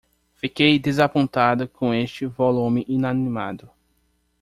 Fiquei desapontado com este volume inanimado.